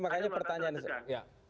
bang ali fikri